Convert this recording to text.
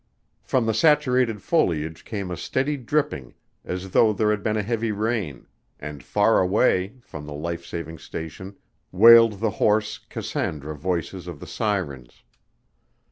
From the saturated foliage came a steady dripping as though there had been heavy rain, and far away, from the life saving station, wailed the hoarse, Cassandra voices of the sirens.